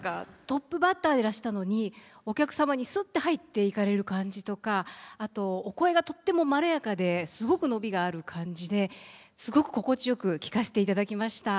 トップバッターでいらしたのにお客様にスッて入っていかれる感じとかあとお声がとってもまろやかですごく伸びがある感じですごく心地よく聴かせていただきました。